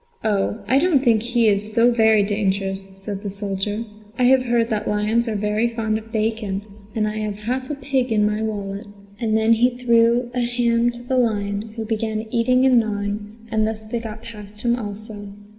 "Oh, I don't think he is so very dangerous," said the soldier; "I have heard that lions are very fond of bacon, and I have half a pig in my wallet;" and then he threw a ham to the lion, who began eating and gnawing, and thus they got past him also.